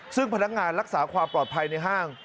ซึ่งพนักงานรักษาความปลอดภัยในห้าง